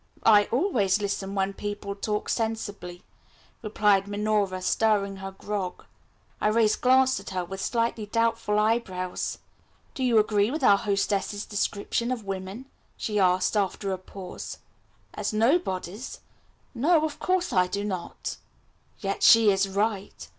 "I always listen when people talk sensibly," replied Minora, stirring her grog. Irais glanced at her with slightly doubtful eyebrows. "Do you agree with our hostess's description of women?" she asked after a pause. "As nobodies? No, of course I do not." "Yet she is right.